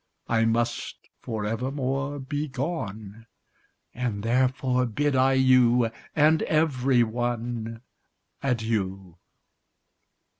I must, for evermore, be gone; And therefore bid I you, And every one, Adieu!